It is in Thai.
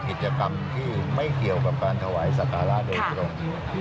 กิจกรรมที่ไม่เกี่ยวกับการถวายสักการะโดยตรง